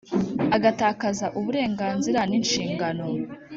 Agatakaza uburenganzira n inshingano